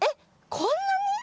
こんなに？